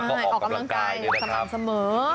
พวกเข้าไปในกำลังกายคำสั่งเสมอ